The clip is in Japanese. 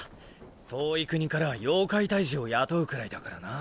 遠い国から妖怪退治を雇うくらいだからな。